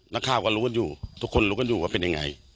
นักข่าวก็รู้กันอยู่ทุกคนรู้กันอยู่ว่าเป็นยังไง